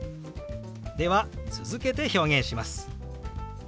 では続けて表現します。